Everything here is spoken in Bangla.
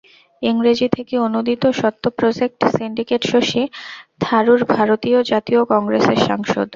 ইংরেজি থেকে অনূদিত; স্বত্ব প্রজেক্ট সিন্ডিকেটশশী থারুর ভারতীয় জাতীয় কংগ্রেসের সাংসদ।